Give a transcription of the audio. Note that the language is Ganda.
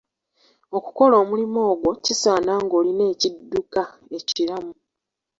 Okukola omulimu ogwo kisaana ng'olina ekidduka ekiramu.